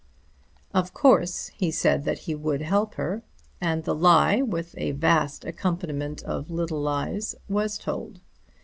Of course he said that he would help her; and the lie, with a vast accompaniment of little lies, was told.